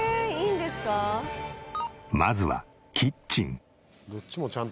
まずはキッチン。